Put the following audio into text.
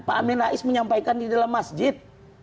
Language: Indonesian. pak amin rais menyampaikan di dalam masjid